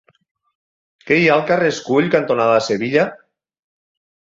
Què hi ha al carrer Escull cantonada Sevilla?